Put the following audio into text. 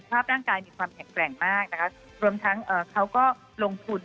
ภาพร่างกายมีความแข็งแกร่งมากนะคะรวมทั้งเขาก็ลงทุน